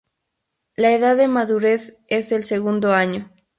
La edad de madurez es el segundo año.